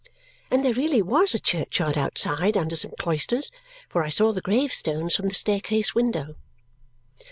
And there really was a churchyard outside under some cloisters, for I saw the gravestones from the staircase window.